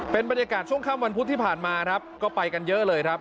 เป็นบรรยากาศช่วงค่ำวันพุธที่ผ่านมาครับก็ไปกันเยอะเลยครับ